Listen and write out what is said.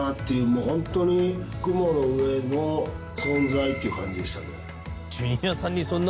もう本当に雲の上の存在っていう感じでしたね。